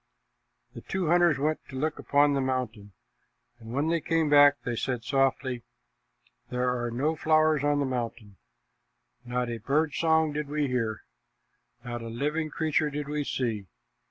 The two hunters went to look upon the mountain, and when they came back, they said sadly, "There are no flowers on the mountain. Not a bird song did we hear. Not a living creature did we see.